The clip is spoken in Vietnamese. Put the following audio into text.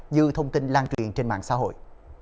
như thông tin lan truyện trên mạng xã hội